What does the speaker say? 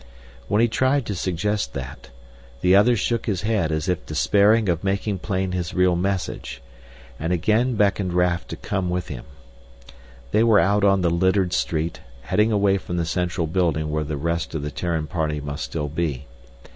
When he tried to suggest that, the other shook his head as if despairing of making plain his real message, and again beckoned Raf to come with him. They were out on the littered street, heading away from the central building where the rest of the Terran party must still be.